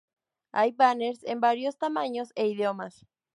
Hay banners en varios tamaños e idiomas.